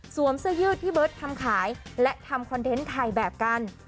เสื้อยืดที่เบิร์ตทำขายและทำคอนเทนต์ถ่ายแบบกัน